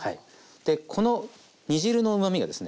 でこの煮汁のうまみがですね